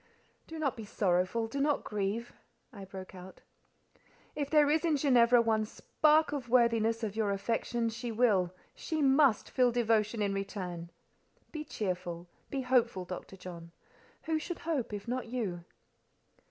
"Do not be sorrowful, do not grieve," I broke out. "If there is in Ginevra one spark of worthiness of your affection, she will—she must feel devotion in return. Be cheerful, be hopeful, Dr. John. Who should hope, if not you?"